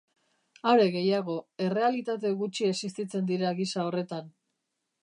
Are gehiago, errealitate gutxi existitzen dira gisa horretan.